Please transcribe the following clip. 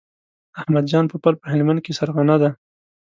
احمد جان پوپل په هلمند کې سرغنه دی.